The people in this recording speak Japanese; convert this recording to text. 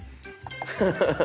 ハハハハ。